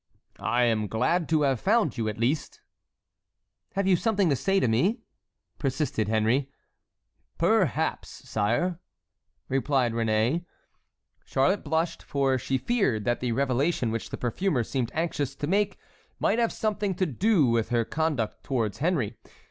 "I am glad to have found you, at least." "Have you something to say to me?" persisted Henry. "Perhaps, sire!" replied Réné. Charlotte blushed, for she feared that the revelation which the perfumer seemed anxious to make might have something to do with her conduct towards Henry.